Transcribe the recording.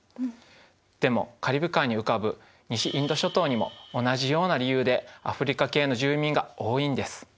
でもカリブ海に浮かぶ西インド諸島にも同じような理由でアフリカ系の住民が多いんです。